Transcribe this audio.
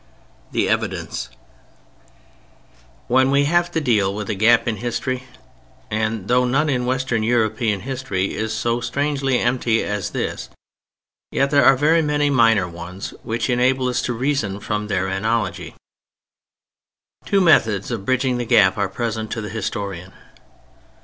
THE EVIDENCE When we have to deal with a gap in history (and though none in Western European history is so strangely empty as this, yet there are very many minor ones which enable us to reason from their analogy), two methods of bridging the gap are present to the historian.